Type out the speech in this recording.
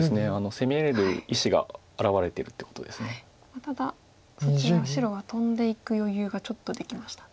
ただそちら白はトンでいく余裕がちょっとできましたね。